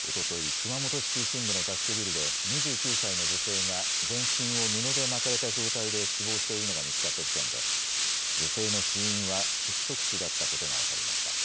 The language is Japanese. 熊本市中心部の雑居ビルで２９歳の女性が全身を布で巻かれた状態で死亡しているのが見つかった事件で女性の死因は窒息死だったことが分かりました。